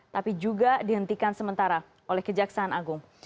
tapi juga dihentikan sementara itu